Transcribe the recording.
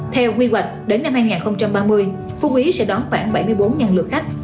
theo quy hoạch đến năm hai nghìn ba mươi phú yên sẽ đón khoảng bảy mươi bốn lượt khách